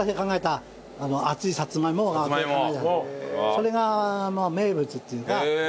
それがまあ名物っていうか。